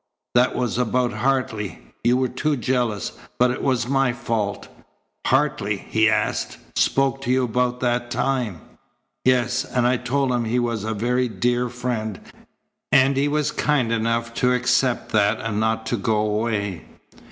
That was about Hartley. You were too jealous, but it was my fault." "Hartley," he asked, "spoke to you about that time?" "Yes, and I told him he was a very dear friend, and he was kind enough to accept that and not to go away."